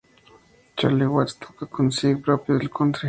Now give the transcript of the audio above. Charlie Watts toca con un swing propio del country.